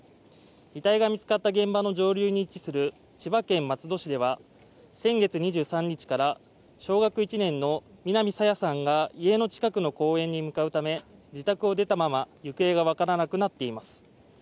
遺体が見つかった現場の上流に位置する千葉県松戸市では先月２３日から小学１年の南朝芽さんが家の近くの公園に向かうため自宅を出たまま行方が分からなくなっています。